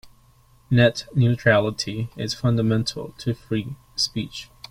Net neutrality is fundamental to free speech.